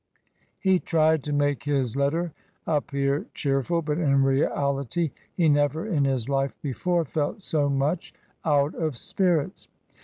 He tried to make his letter appear cheerful, but in reality he never in his life before felt so much out of spirits.